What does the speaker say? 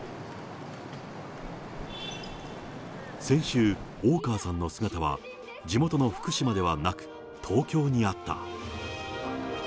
先週、大川さんの姿は地元の福島ではなく、東京にあった。